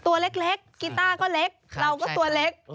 ตัวเล็กกีต้าก็เล็กเราก็ตัวเล็ก